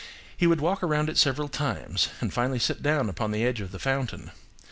He would walk around it several times and finally sit down upon the edge of the fountain.